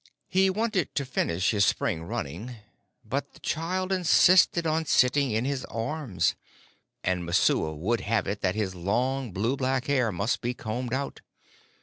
He wanted to finish his spring running, but the child insisted on sitting in his arms, and Messua would have it that his long, blue black hair must be combed out.